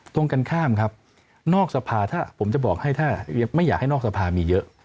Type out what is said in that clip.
ตรงกันข้ามครับนอกสภาถ้าผมจะบอกให้ถ้าไม่อยากให้นอกสภามีเยอะ